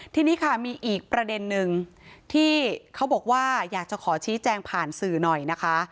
ทีนี้ค่ะมีอีกประเด็นนึงที่เขาบอกว่าอยากจะขอชี้แจงผ่านสื่อหน่อยนะคะ